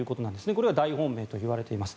これが大本命といわれています。